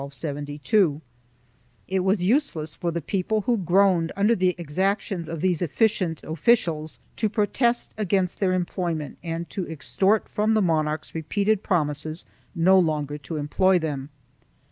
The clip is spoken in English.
2 It was useless for the people who groaned under the exactions of these efficient officials to protest against their employment and to extort from the monarchs repeated promises no longer to employ them.